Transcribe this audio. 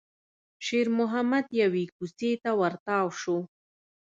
شېرمحمد يوې کوڅې ته ور تاو شو.